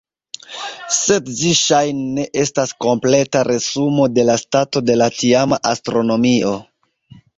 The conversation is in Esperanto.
Sed ĝi ŝajne ne estas kompleta resumo de la stato de la tiama astronomio.